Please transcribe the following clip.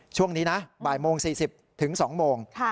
ช่วงนี้นะบ่ายโมง๔๐ถึง๒โมง